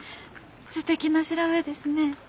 すてきな調べですねえ。